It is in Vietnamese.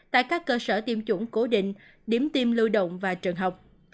tại các cơ sở tiêm chủng cố định điểm tiêm lưu động và trường học